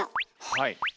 はい。